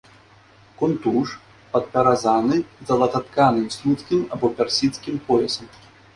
Кунтуш падпяразаны залататканым слуцкім або персідскім поясам.